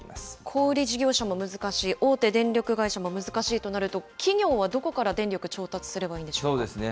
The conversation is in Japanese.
小売り事業者も難しい大手電力会社も難しいとなると、企業はどこから電力調達すればいいんでしょうか。